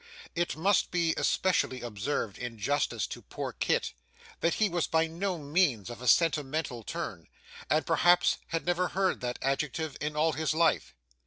It must be especially observed in justice to poor Kit that he was by no means of a sentimental turn, and perhaps had never heard that adjective in all his life.